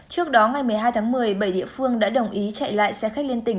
trước đó ngày một mươi hai tháng một mươi bảy địa phương đã đồng ý chạy lại xe khách liên tỉnh